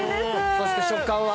そして食感は？